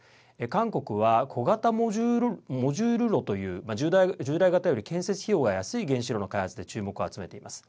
韓国は、小型モジュール炉という従来型より建設費用が安い原子炉の開発で注目を集めています。